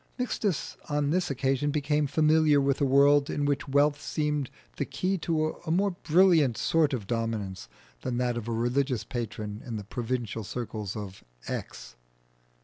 Mixtus on this occasion became familiar with a world in which wealth seemed the key to a more brilliant sort of dominance than that of a religious patron in the provincial circles of X.